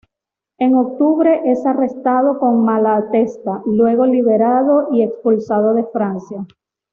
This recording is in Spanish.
En octubre es arrestado con Malatesta, luego liberado y expulsado de Francia.